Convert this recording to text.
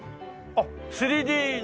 あっ３Ｄの？